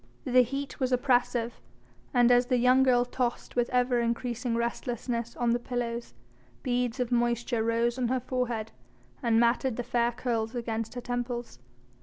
The heat was oppressive, and as the young girl tossed with ever increasing restlessness on the pillows, beads of moisture rose on her forehead and matted the fair curls against her temples.